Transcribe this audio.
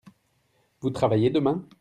Vous travaillez demain ?